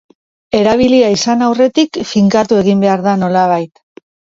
Erabilia izan aurretik, finkatu egin behar da nolabait.